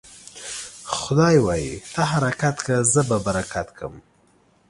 خداى وايي: ته حرکت که ، زه به برکت کم.